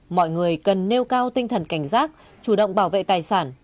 mọi người cần nêu cao tinh thần cảnh giác chủ động bảo vệ tài sản